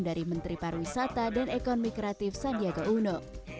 dari menteri pariwisata dan ekonomi kreatif sandiaga uno